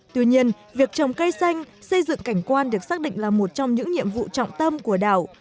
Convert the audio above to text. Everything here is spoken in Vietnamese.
tuy nhiên việc trồng cây xanh xây dựng cảnh quan được xác định là một trong những nhiệm vụ trọng tâm của đảo